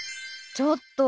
ちょっと！